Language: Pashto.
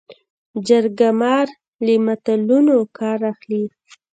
جرګه مار له متلونو کار اخلي